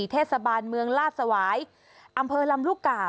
เทศบาลเมืองลาดสวายอำเภอลำลูกกา